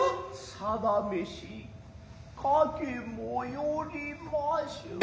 さだめし掛けもよりましょう。